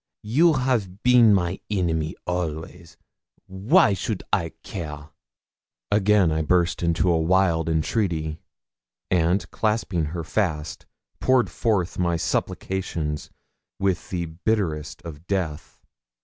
You have been my enemy always why should I care?' Again I burst into wild entreaty, and, clasping her fast, poured forth my supplications with the bitterness of death.